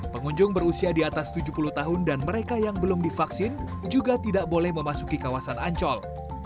pengunjung berusia di atas tujuh puluh tahun dan mereka yang belum divaksin juga tidak boleh memasuki kawasan ancol